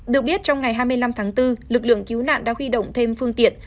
được biết trong ngày hai mươi năm tháng bốn lực lượng cứu nạn đã huy động thêm phương tiện